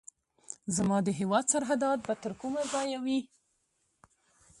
زما د هیواد سرحدات به تر کومه ځایه وي.